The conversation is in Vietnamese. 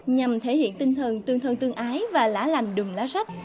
nhằm thể hiện tinh thần tương thân tương ái và lã lành đừng lá sách